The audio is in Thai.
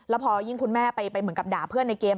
แล้วพอยิ่งคุณแม่ไปเหมือนกับด่าเพื่อนในเกม